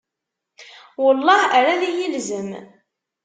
Welleh, ad iyi-ilzem!